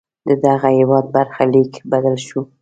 ددغه هېواد برخلیک بدل شو.